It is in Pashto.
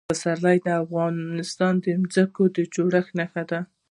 پسرلی د افغانستان د ځمکې د جوړښت نښه ده.